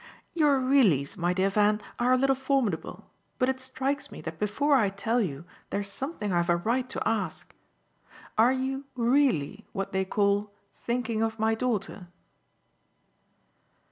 "Your 'reallys,' my dear Van, are a little formidable, but it strikes me that before I tell you there's something I've a right to ask. Are you 'really' what they call thinking of my daughter?"